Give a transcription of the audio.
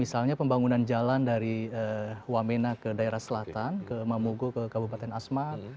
misalnya pembangunan jalan dari wamena ke daerah selatan ke mamogo ke kabupaten asmat